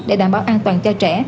để đảm bảo an toàn cho trẻ